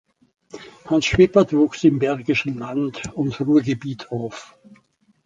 Hans Schwippert wuchs im Bergischen Land und Ruhrgebiet auf.